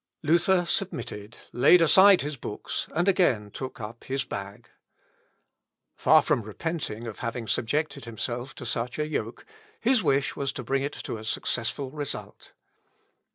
" Luther submitted, laid aside his books, and again took up his bag. Far from repenting of having subjected himself to such a yoke, his wish was to bring it to a successful result.